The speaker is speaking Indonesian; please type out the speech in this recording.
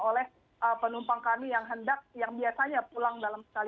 oleh penumpang kami yang hendak yang biasanya pulang dalam sekali